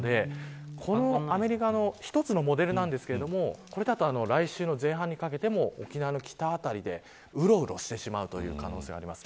このアメリカの一つのモデルなんですけれどもこれだと来週の前半にかけても沖縄の北辺りでうろうろしてしまう可能性があります。